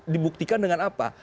dibuktikan dengan apa